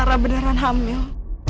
clara beneran hamil